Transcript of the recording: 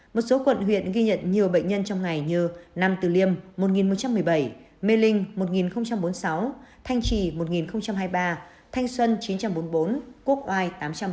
một số quận huyện ghi nhận nhiều bệnh nhân trong ngày như nam từ liêm một một trăm một mươi bảy mê linh một nghìn bốn mươi sáu thanh trì một nghìn hai mươi ba thanh xuân chín trăm bốn mươi bốn quốc oai tám trăm bốn mươi